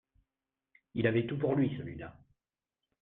Il avait tout pour lui, celui-la